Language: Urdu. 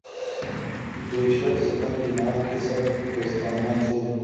بے شک ستم جناب کے سب دوستانہ تھے